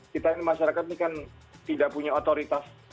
kita ini masyarakat ini kan tidak punya otoritas